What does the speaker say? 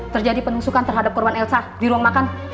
terjadi penusukan terhadap korban elsa di ruang makan